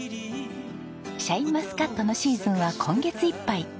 シャインマスカットのシーズンは今月いっぱい。